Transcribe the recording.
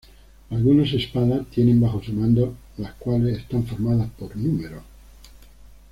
Algunos "Espada" tienen bajo su mando las cuales están formadas por "Números".